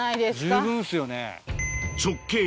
十分ですよね。